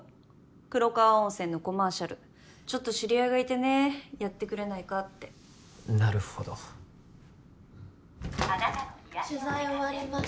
黒川温泉のコマーシャルちょっと知り合いがいてねやってくれないかってなるほどあなたの癒やしの時間です